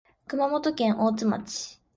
熊本県大津町